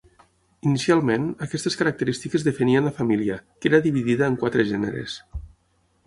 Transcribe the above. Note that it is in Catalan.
Inicialment, aquestes característiques definien la família, que era dividida en quatre gèneres.